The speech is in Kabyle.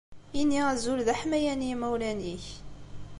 Ini azul d aḥmayan i yimawlan-ik.